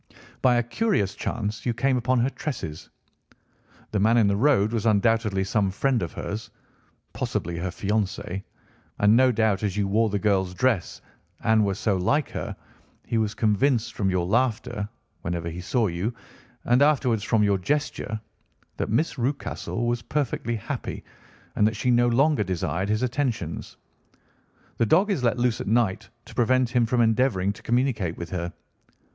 By a curious chance you came upon her tresses. The man in the road was undoubtedly some friend of hers—possibly her fiancé—and no doubt, as you wore the girl's dress and were so like her, he was convinced from your laughter, whenever he saw you, and afterwards from your gesture, that Miss Rucastle was perfectly happy, and that she no longer desired his attentions. The dog is let loose at night to prevent him from endeavouring to communicate with her.